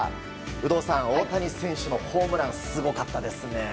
有働さん、大谷選手のホームランすごかったですね。